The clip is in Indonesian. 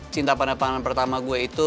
cinta pendapatan pertama gue itu